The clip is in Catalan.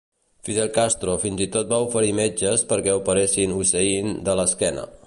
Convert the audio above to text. Fidel Castro fins i tot va oferir metges perquè operessin Hussein de l'esquena.